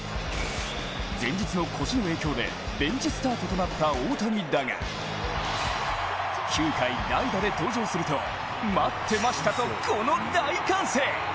前日の腰への影響でベンチスタートとなった大谷だが９回代打で登場すると待ってましたと、この大歓声。